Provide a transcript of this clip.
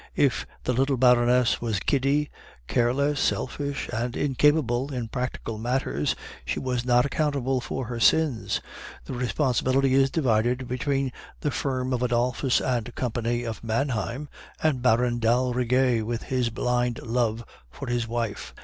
"If the little Baroness was giddy, careless, selfish, and incapable in practical matters, she was not accountable for her sins; the responsibility is divided between the firm of Adolphus and Company of Manheim and Baron d'Aldrigger with his blind love for his wife.